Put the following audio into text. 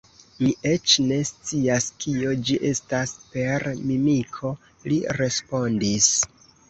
Mi eĉ ne scias, kio ĝi estas « per mimiko », li respondis.